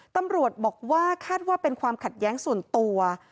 ตำรวจบอกว่าคาดว่าเป็นความขัดแย้งส่วนตัว